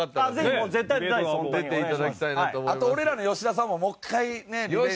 あと俺らの吉田さんももう一回ねリベンジ。